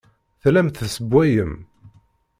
Tellam tessewwayem.